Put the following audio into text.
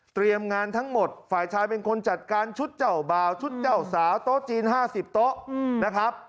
งานทั้งหมดฝ่ายชายเป็นคนจัดการชุดเจ้าบ่าวชุดเจ้าสาวโต๊ะจีน๕๐โต๊ะนะครับ